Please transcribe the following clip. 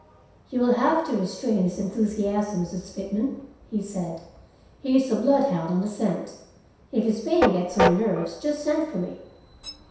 "You will have to restrain his enthusiasm, Mrs. Pitman," he said. "He is a bloodhound on the scent. If his baying gets on your nerves, just send for me."